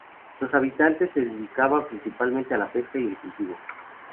Los habitantes se dedicaban principalmente a la pesca y el cultivo.